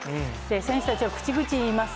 選手たちは口々に言います。